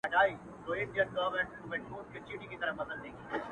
ستا وه ځوانۍ ته دي لوگى سمه زه ـ